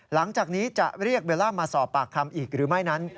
หลังจากนี้จะเรียกเบลล่ามาสอบปากคำอีกหรือไม่นั้น